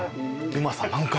うまさ満開。